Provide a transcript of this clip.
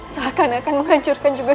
seakan akan menghancurkan juga